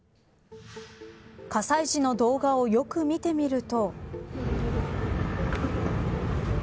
火災時の動画をよく見てみると。